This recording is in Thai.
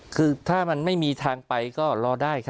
คือถ้ามันไม่มีทางไปก็รอได้ครับ